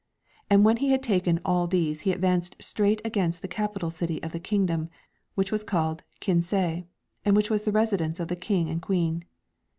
And when he had taken all these he advanced straight against the capital city of the kingdom, which was called KiNSAY, and which was the residence of the King and Queen.